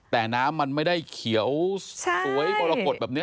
แต่น้ำมันไม่ได้เขียวสวยมรกฏแบบนี้